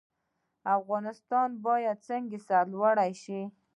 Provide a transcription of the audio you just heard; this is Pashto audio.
افغانستان باید څنګه سرلوړی شي؟